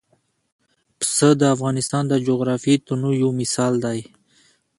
پسه د افغانستان د جغرافیوي تنوع یو مثال دی.